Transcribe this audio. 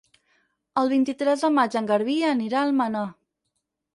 El vint-i-tres de maig en Garbí anirà a Almenar.